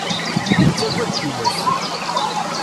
Yettagad tillas.